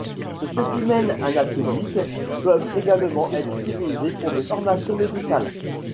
Ces spécimens anatomiques peuvent également être utilisés pour des formations médicales.